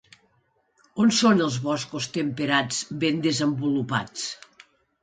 On són els boscos temperats ben desenvolupats?